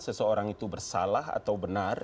seseorang itu bersalah atau benar